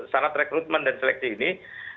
syarat rekrutmen dan seleksi ini